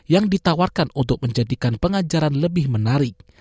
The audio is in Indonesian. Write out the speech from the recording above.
yang ditawarkan untuk menjadikan pengajaran lebih menarik